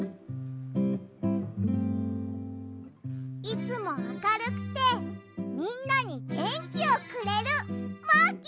いつもあかるくてみんなにげんきをくれるマーキーさん！